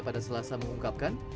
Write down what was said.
pada selasa mengungkapkan